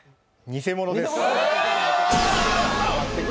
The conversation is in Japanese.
偽物です。